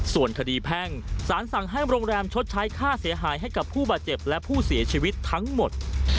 ส่วนคดีแพ่งสารสั่งให้โรงแรมชดใช้ค่าเสียหายให้กับผู้บาดเจ็บและผู้เสียชีวิตทั้งหมด